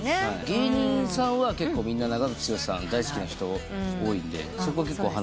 芸人さんは長渕剛さん大好きな人多いんでそこは結構話。